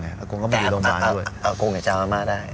อาโกงก็ไม่อยู่โรงพยาบาลเลยแต่ว่าอาโกงอยากจะเอาอาม่าได้